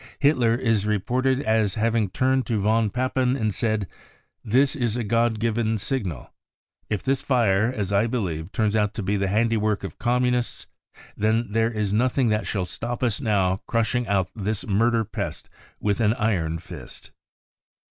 Hitler is reported as having turned to von ! Papen and said : y " This is a God given signal 1 If this fire, as I believe, turns out to be the handiwork of Communists, then f W 1 1 8 BROWN BOOK OF THE HITLER TERROR there is nothing that shall stop r us now crushing out this murder pest with an iron fist."